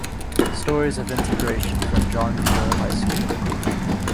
Stories of Integration from John Muir High School.